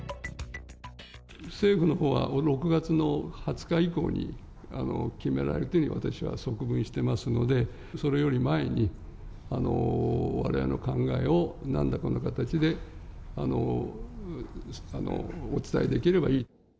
政府のほうは６月の２０日以降に、決められるようにと、私は側聞していますので、それより前に、われわれの考えをなんらかの形でお伝えできればいい。